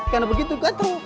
karena begitu katru